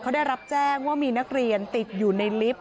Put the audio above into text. เขาได้รับแจ้งว่ามีนักเรียนติดอยู่ในลิฟต์